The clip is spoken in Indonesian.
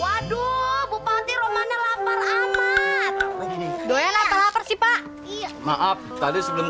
waduh bupati rumahnya lapar amat begini lapar lapar sih pak iya maaf tadi sebelum